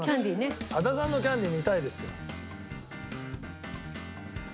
羽田さんのキャンディー見たいですよ。